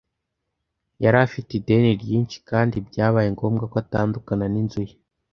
Yari afite ideni ryinshi, kandi byabaye ngombwa ko atandukana n'inzu ye.